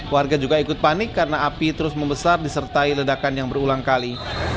warga juga ikut panik karena api terus membesar disertai ledakan yang berulang kali